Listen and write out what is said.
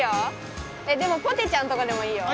でもぽてちゃんとかでもいいよ。